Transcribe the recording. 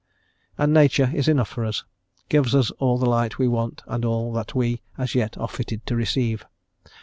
And Nature is enough for us, gives us all the light we want and all that we, as yet, are fitted to receive.